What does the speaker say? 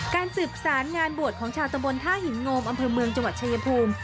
สืบสารงานบวชของชาวตำบลท่าหินโงมอำเภอเมืองจังหวัดชายภูมิ